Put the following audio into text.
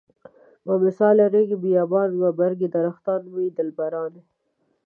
بمثال ريګ بيابان و برګ درختان موی دلبران.